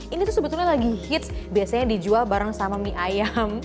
ini tuh sebetulnya lagi hits biasanya dijual bareng sama mie ayam